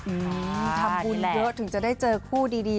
อืมทำบุญเยอะถึงจะได้เจอคู่ดีดี